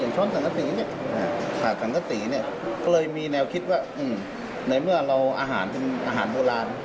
ช้อนสังกษีเนี่ยขาดสังกษีเนี่ยก็เลยมีแนวคิดว่าในเมื่อเราอาหารเป็นอาหารโบราณ